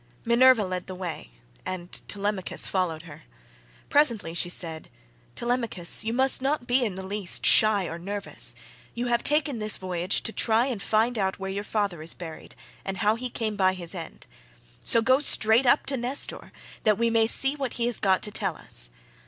Minerva led the way and Telemachus followed her. Presently she said, "Telemachus, you must not be in the least shy or nervous; you have taken this voyage to try and find out where your father is buried and how he came by his end; so go straight up to Nestor that we may see what he has got to tell us.